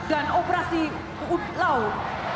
dan operasi laut